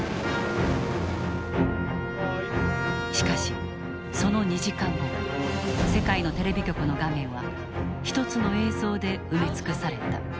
しかしその２時間後世界のテレビ局の画面は一つの映像で埋め尽くされた。